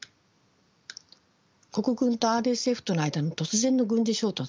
国軍とＲＳＦとの間の突然の軍事衝突。